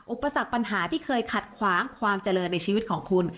อุปสรรคปัญหาที่เคยขัดขวางความเจริญในชีวิตของคุณ